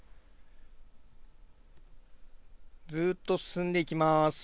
ずっと進んでいきます。